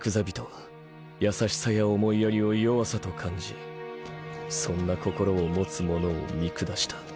びとは優しさや思いやりを弱さと感じそんな心を持つ者を見下した。